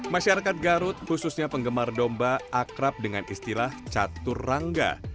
masyarakat garut khususnya penggemar domba akrab dengan istilah catur rangga